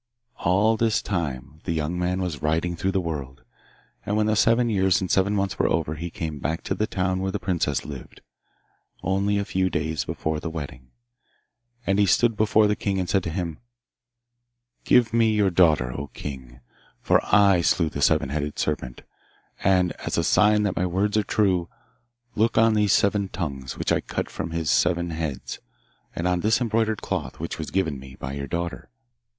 All this time the young man was riding through the world, and when the seven years and seven months were over he came back to the town where the princess lived only a few days before the wedding. And he stood before the king, and said to him: 'Give me your daughter, O king, for I slew the seven headed serpent. And as a sign that my words are true, look on these seven tongues, which I cut from his seven heads, and on this embroidered cloth, which was given me by your daughter.